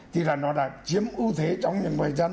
thì là nó đã chiếm ưu thế trong những người dân